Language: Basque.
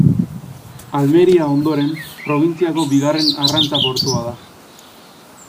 Almeria ondoren, Probintziako bigarren arrantza-portua da.